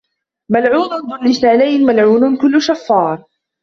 مَلْعُونٌ ذُو اللِّسَانَيْنِ مَلْعُونٌ كُلُّ شَفَّارٍ